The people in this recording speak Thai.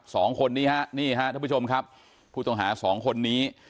สองคนนี้ฮะนี่ฮะท่านผู้ชมครับผู้ต้องหาสองคนนี้